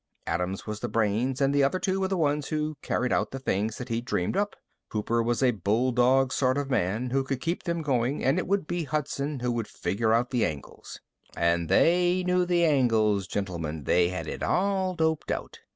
Adams was the brains and the other two were the ones who carried out the things that he dreamed up. Cooper was a bulldog sort of man who could keep them going and it would be Hudson who would figure out the angles. "And they knew the angles, gentlemen. They had it all doped out.